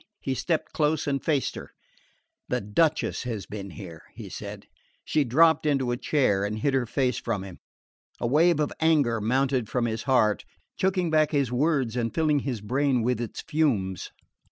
He stepped close and faced her. "The Duchess has been here," he said. She dropped into a chair and hid her face from him. A wave of anger mounted from his heart, choking back his words and filling his brain with its fumes.